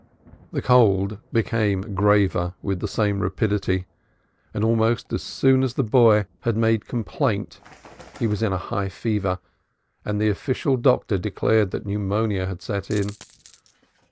The cold became graver with the same rapidity, and almost as soon as the boy had made complaint he was in a high fever, and the official doctor declared that pneumonia had set in.